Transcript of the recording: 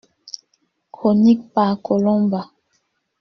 Chronique, par Colomba.